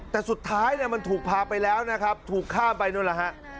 แต่สุดท้ายมันถูกพาไปแล้วนะครับถูกข้ามไปนู่นแหละฮะ